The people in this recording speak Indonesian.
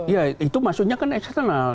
ya itu maksudnya kan eksternal